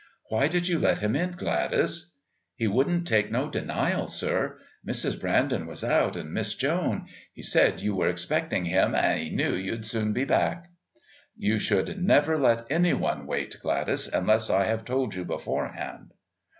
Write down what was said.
"Why did you let him in, Gladys?" "He wouldn't take no denial, sir. Mrs. Brandon was out and Miss Joan. He said you were expecting him and 'e knew you'd soon be back." "You should never let any one wait, Gladys, unless I have told you beforehand."